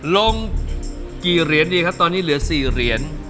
ลงกี่เหรียญดีครับตอนนี้เหลือ๔เหรียญ